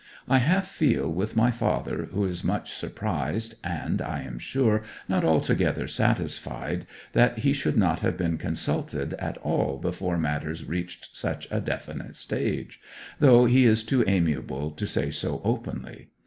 I half feel with my father, who is much surprised, and, I am sure, not altogether satisfied, that he should not have been consulted at all before matters reached such a definite stage, though he is too amiable to say so openly.